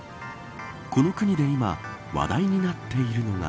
この国で今話題になっているのが。